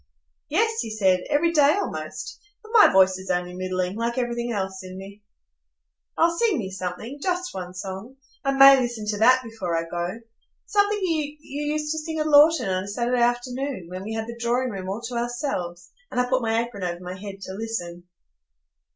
"Yes," he said, "every day, almost. But my voice is only middling, like everything else in me." "Oh, sing me something,—just one song. I may listen to that before I go,—something you used to sing at Lorton on a Saturday afternoon, when we had the drawing room all to ourselves, and I put my apron over my head to listen."